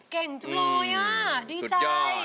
เก่งจังเลยอ่ะดีใจสุดยอด